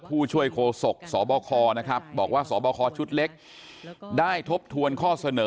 ผู้ช่วยโคศกสบคนะครับบอกว่าสบคชุดเล็กได้ทบทวนข้อเสนอ